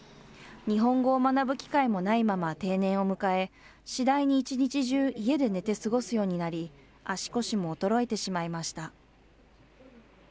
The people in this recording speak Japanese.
日本語を学ぶ機会もないまま定年を迎え、次第に１日中、家で寝て過ごすようになり、足腰も衰えてしまいました。